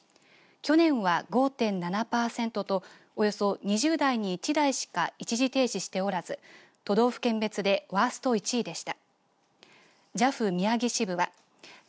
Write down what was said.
去年は５．７パーセントとおよそ２０台に１台しか一時停止しておらず都道府県別でワースト１位でした。